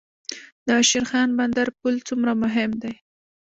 د شیرخان بندر پل څومره مهم دی؟